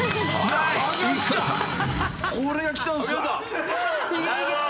これがきたんですわ！